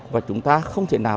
và chúng ta không thể nào